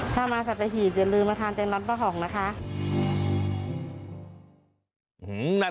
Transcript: ถ้ามาสัตว์หีบอย่าลืมมาทานจังร้อนเป้าห่องนะคะ